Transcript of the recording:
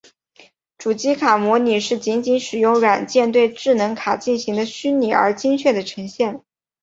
主机卡模拟是仅仅使用软件对智能卡进行的虚拟而精确的呈现。